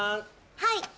はい！